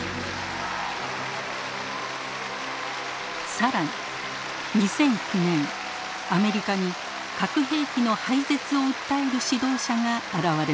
更に２００９年アメリカに核兵器の廃絶を訴える指導者が現れました。